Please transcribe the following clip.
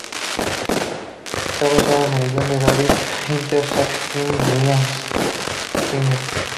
Está basada en el guion de David Hayter, Zak Penn y Bryan Singer.